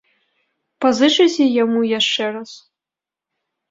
Пазычыце яму яшчэ раз?